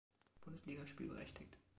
Bundesliga spielberechtigt.